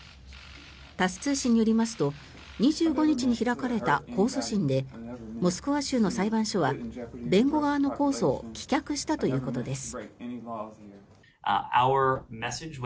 タス通信によりますと２５日に開かれた控訴審でモスクワ州の裁判所は弁護側の控訴を棄却したということです。